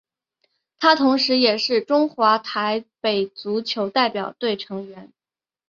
他同时也是中华台北足球代表队成员。